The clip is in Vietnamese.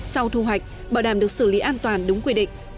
sau thu hoạch bảo đảm được xử lý an toàn đúng quy định